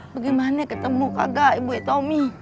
bagaimana ketemu kagak ibu e tommy